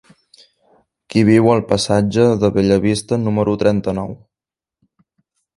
Qui viu al passatge de Bellavista número trenta-nou?